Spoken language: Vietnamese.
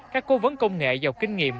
các cố vấn công nghệ giàu kinh nghiệm